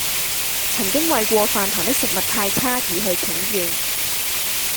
曾經為過飯堂的食物太差而去請願